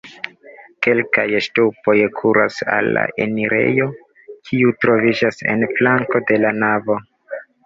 Kelkaj ŝtupoj kuras al la enirejo, kiu troviĝas en flanko de la navo.